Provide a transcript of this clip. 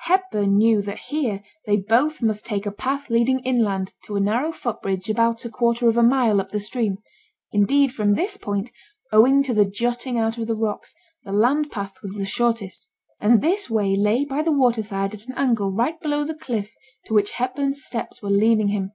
Hepburn knew that here they both must take a path leading inland to a narrow foot bridge about a quarter of a mile up the stream; indeed from this point, owing to the jutting out of the rocks, the land path was the shortest; and this way lay by the water side at an angle right below the cliff to which Hepburn's steps were leading him.